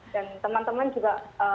dan teman teman juga